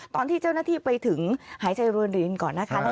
ตอนที่เจ้าหน้าที่ไปถึงหายใจรวนเรียนก่อนนะคะ